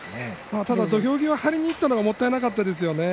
ただ土俵張りにいったのがもったいなかったですよね。